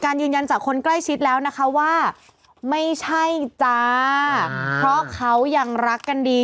ยืนยันจากคนใกล้ชิดแล้วนะคะว่าไม่ใช่จ้าเพราะเขายังรักกันดี